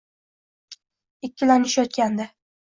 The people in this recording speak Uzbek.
Ikkilanishayotgandi.